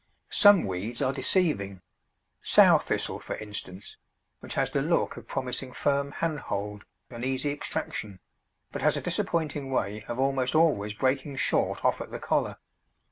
Some weeds are deceiving Sow thistle, for instance, which has the look of promising firm hand hold and easy extraction, but has a disappointing way of almost always breaking short off at the collar.